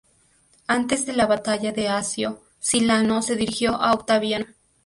Antes de la batalla de Accio, Silano se dirigió a Octaviano.